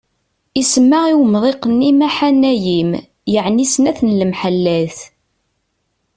Isemma i umḍiq-nni Maḥanayim, yeɛni snat n lemḥallat.